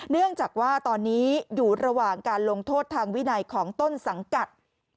เนื่องจากว่าตอนนี้อยู่ระหว่างการลงโทษทางวินัยของต้นสังกัด